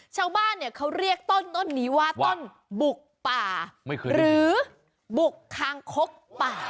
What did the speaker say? ชาวบ้านเนี่ยเขาเรียกต้นนี้ว่าต้นบุกป่าหรือบุกคางคกป่า